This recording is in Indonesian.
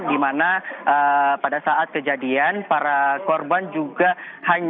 di mana pada saat kejadian para korban juga hanya